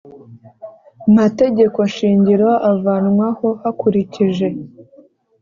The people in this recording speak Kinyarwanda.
mategeko nshingiro Avanwaho hakurikije